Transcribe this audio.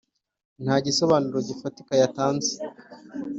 Nta gisobanuro gifatika yatanze.